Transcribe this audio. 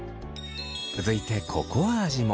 続いてココア味も。